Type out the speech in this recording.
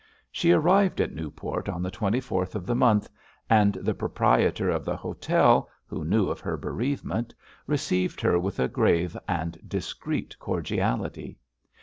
She arrived at Newport on the twenty fourth of the month, and the proprietor of the hotel, who knew of her bereavement, received her with a grave and discreet cordiality.